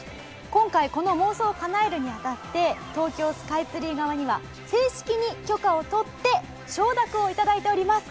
今回この妄想をかなえるに当たって東京スカイツリー側には正式に許可を取って承諾をいただいております。